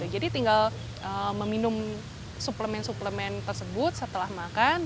jadi tinggal meminum suplemen suplemen tersebut setelah makan